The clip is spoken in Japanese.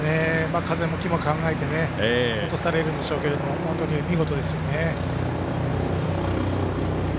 風向きも考えて落とされるんでしょうけど本当に見事ですよね。